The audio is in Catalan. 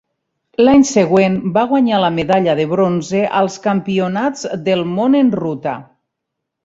L'any següent va guanyar la medalla de bronze als Campionats del Món en ruta.